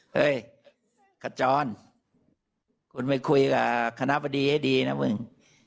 เฮ้ยขจรคุณไปคุยกับคณะบดีให้ดีนะมึง